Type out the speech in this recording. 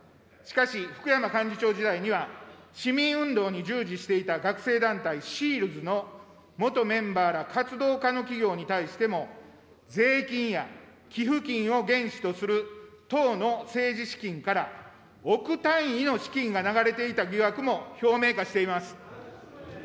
しかし福山幹事長時代には市民運動に従事していた学生団体、ＳＥＡＬＤｓの元メンバーら活動家の企業に対しても、税金や寄付金を原資とする党の政治資金から、億単位の資金が流れていた疑惑も表面化しています。